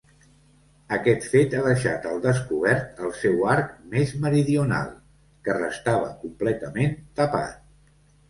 Aquest fet ha deixat al descobert el seu arc més meridional, que restava completament tapat.